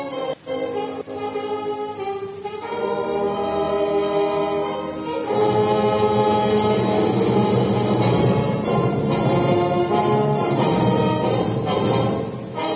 lagu kebangsaan indonesia raya